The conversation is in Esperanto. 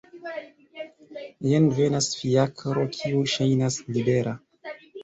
Jen venas fiakro kiu ŝajnas libera.